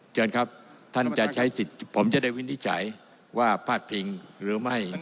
เชิญครับท่านจะใช้สิทธิ์ผมจะได้วินิจฉัยว่าพาดพิงหรือไม่